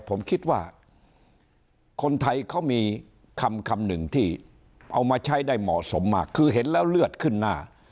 ผมคิดว่าคนไทยเขามีคำคำหนึ่งที่เอามาใช้ได้เหมาะสมมากคือเห็นแล้วเลือดขึ้นหน้า